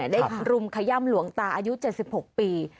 รุมขย่ำหลวงตาอายุ๗๖ปี